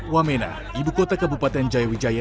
wamena ibu kota kabupaten jayawijaya